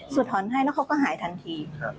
ถอนให้แล้วเขาก็หายทันที